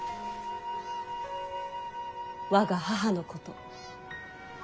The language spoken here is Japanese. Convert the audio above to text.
我が母のこと。